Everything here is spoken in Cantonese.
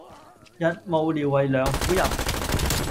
日暮聊為梁甫吟。